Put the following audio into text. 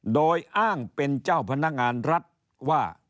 โดยอ้างเป็นเจ้าพนักงานรัฐว่า